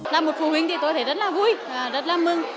là một phụ huynh thì tôi thấy rất là vui và rất là mừng